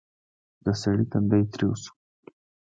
د سړي تندی تريو شو: